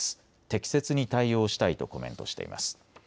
適切に対応したいとコメントしています。